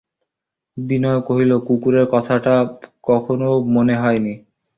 বিনয় কহিল, কুকুরের কথাটা কখনো মনে হয় নি।